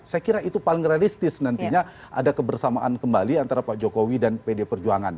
saya kira itu paling realistis nantinya ada kebersamaan kembali antara pak jokowi dan pd perjuangan